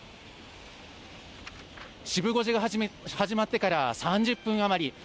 シブ５時が始まってから３０分余り。